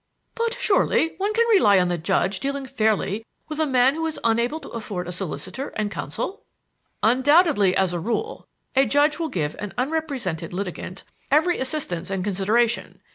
"But surely one can rely on the judge dealing fairly with a man who is unable to afford a solicitor and counsel?" "Undoubtedly, as a rule, a judge will give an unrepresented litigant every assistance and consideration.